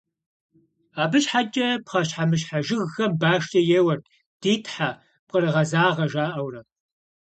Абы щхьэкӀэ пхъэщхьэмыщхьэ жыгхэм башкӀэ еуэрт: «Ди тхьэ, пкъырыгъэзагъэ», - жаӀэурэ.